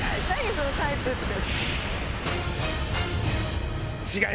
その「タイプ」って。